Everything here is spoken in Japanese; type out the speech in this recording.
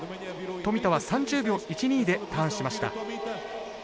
富田は３０秒１２でターンしました。